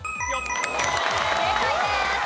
正解です。